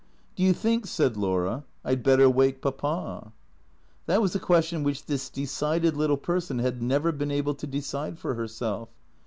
"Do you think," said Laura, "I'd better wake Papa?" That was a question which this decided little person had never been able to decide for herself.